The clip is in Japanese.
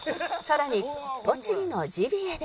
さらに栃木のジビエでは